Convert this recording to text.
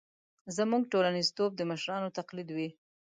زموږ ټولنیزتوب د مشرانو تقلید وي.